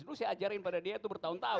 terus saya ajarin pada dia itu bertahun tahun